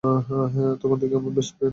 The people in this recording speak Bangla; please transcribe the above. তখন থেকে আমরা বেস্ট ফ্রেন্ড।